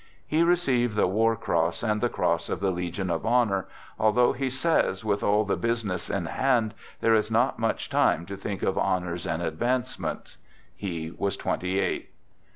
He received the war cross and the cross of the Legion of Honor, although he says with all the busi ness in hand, there is not much time to think of honors and advancements. He was twenty eight.